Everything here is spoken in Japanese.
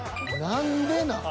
何でなん？